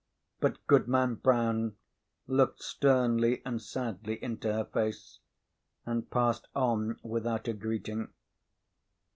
But Goodman Brown looked sternly and sadly into her face, and passed on without a greeting.